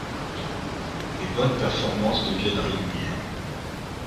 Les bonnes performances deviennent régulières.